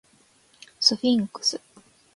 スフィンクス